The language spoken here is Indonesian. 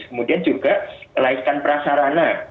kemudian juga kelaikan prasarana